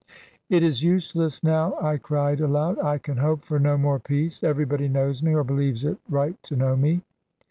"It is useless now," I cried aloud; "I can hope for no more peace. Everybody knows me, or believes it right to know me."